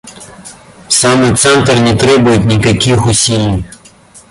Самый центр не требует никаких усилий.